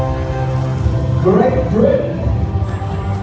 สโลแมคริปราบาล